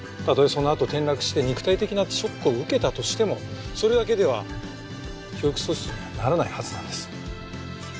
たとえそのあと転落して肉体的なショックを受けたとしてもそれだけでは記憶喪失にはならないはずなんです。